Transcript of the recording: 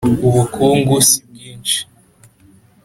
Ubukungu si bwinshi